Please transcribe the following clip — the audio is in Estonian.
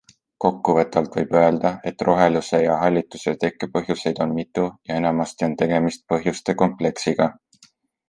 Kokkuvõtvalt võib öelda, et roheluse ja hallituse tekepõhjuseid on mitu ja enamasti on tegemist põhjuste kompleksiga.